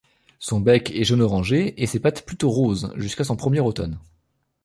Son bec est jaune-orangé et ses pattes plutôt roses, jusqu'à son premier automne.